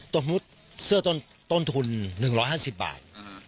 สมมุติเสื้อต้นทุน๑๕๐บาท